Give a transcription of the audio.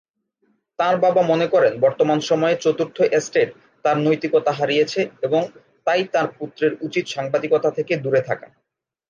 তাঁর বাবা মনে করেন বর্তমান সময়ে চতুর্থ এস্টেট তার নৈতিকতা হারিয়েছে এবং তাই তাঁর পুত্রের উচিত সাংবাদিকতা থেকে দূরে থাকা।